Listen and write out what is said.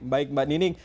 baik mbak dining